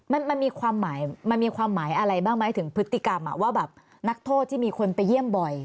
มันมีความหมายอะไรบ้างถึงพฤติกรรมว่านักโทษที่มีคนไปเยี่ยมบ่อย